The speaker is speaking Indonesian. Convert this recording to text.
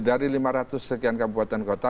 dari lima ratus sekian kabupaten kota